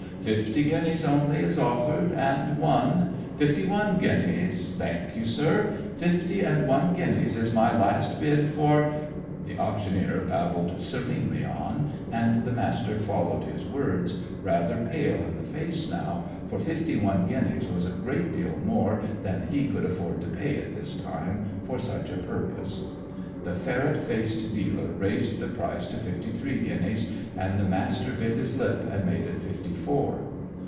Fifty guineas only is offered and one. Fifty one guineas Thank you, sir. Fifty and one guineas is my last bid for " The auctioneer babbled serenely on, and the Master followed his words, rather pale in the face now, for fifty one guineas was a great deal more than he could afford to pay at this time, for such a purpose. The ferret faced dealer raised the price to fifty three guineas, and the Master bit his lip and made it fifty four.